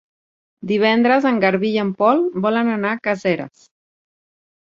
Divendres en Garbí i en Pol volen anar a Caseres.